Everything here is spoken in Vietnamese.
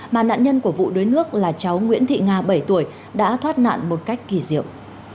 mà nạn nhân của vụ đuối nước là cháu nguyễn thị nga bảy tuổi đã thoát nạn một cách kỳ diệu